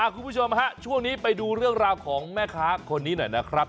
คุณผู้ชมฮะช่วงนี้ไปดูเรื่องราวของแม่ค้าคนนี้หน่อยนะครับ